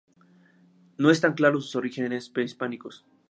No están claros sus orígenes prehispánicos.